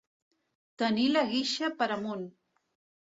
Tenir la guixa per amunt.